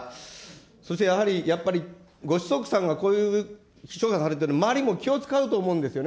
そしてやはり、やっぱりご子息さんがこういう秘書がされてる、周りも気を遣うと思うんですよね。